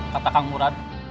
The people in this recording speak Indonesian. kata kang murad